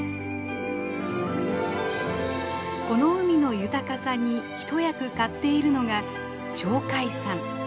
この海の豊かさに一役買っているのが鳥海山。